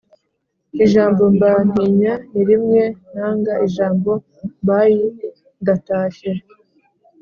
ijambo mbantinya nirimwe nanga ijambo bayi ndatashye"